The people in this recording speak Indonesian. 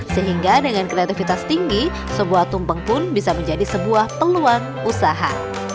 sehingga dengan kreativitas tinggi sebuah tumpeng pun bisa menjadi sebuah peluang usaha